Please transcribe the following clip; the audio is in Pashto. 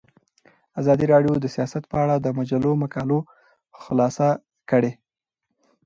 ازادي راډیو د سیاست په اړه د مجلو مقالو خلاصه کړې.